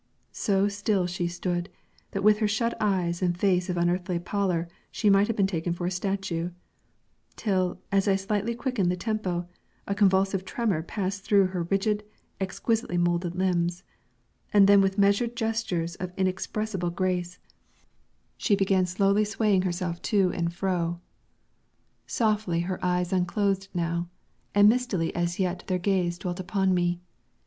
So still she stood, that with her shut eyes and face of unearthly pallor she might have been taken for a statue; till, as I slightly quickened the tempo, a convulsive tremor passed through her rigid, exquisitely molded limbs, and then with measured gestures of inexpressible grace she began slowly swaying herself to and fro. Softly her eyes unclosed now, and mistily as yet their gaze dwelt upon me.